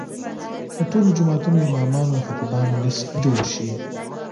د ټولو جوماتونو امامانو او خطیبانو لست جوړ شي.